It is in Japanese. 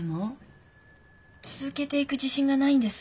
続けていく自信がないんです。